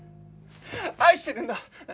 愛してるんだ！